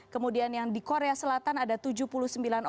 kemudian yang di korea selatan ada tujuh puluh sembilan orang